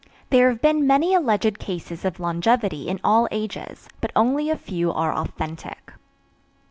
There have been many alleged cases of longevity in all ages, but only a few are authentic.